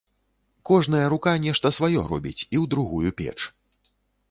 Кожная рука нешта сваё робіць і ў другую печ.